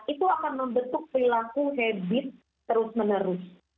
itu akan membentuk perilaku hebit terus menerus